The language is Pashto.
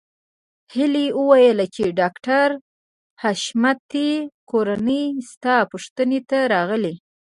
هيلې وویل چې د ډاکټر حشمتي کورنۍ ستا پوښتنې ته راغلې